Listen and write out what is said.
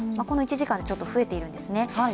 この１時間でちょっと増えているんですね。